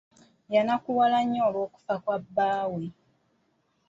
Yannakuwala nnyo olw'okufa kwa bbaawe.